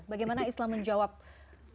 bagaimana islam menjawab permasalahan itu